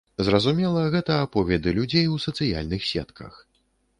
Зразумела, гэта аповеды людзей у сацыяльных сетках.